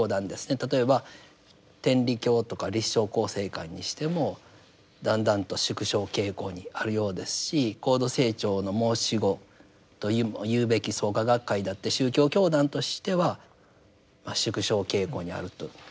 例えば天理教とか立正佼成会にしてもだんだんと縮小傾向にあるようですし高度成長の申し子というべき創価学会だって宗教教団としてはまあ縮小傾向にあるとえ言えるかと思います。